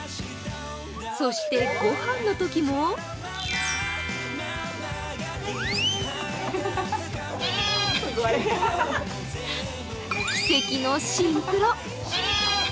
そして、ご飯のときも奇跡のシンクロ。